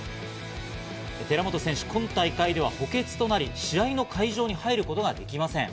寺本選手、今大会では補欠となり、試合の会場に入ることができません。